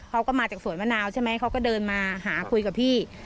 เขาก็มาจากสวนมะนาวใช่ไหมเขาก็เดินมาหาคุยกับพี่